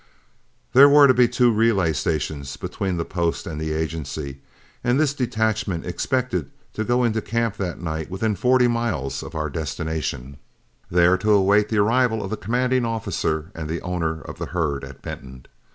There were to be two relay stations between the post and the agency, and this detachment expected to go into camp that night within forty miles of our destination, there to await the arrival of the commanding officer and the owner of the herd at Benton.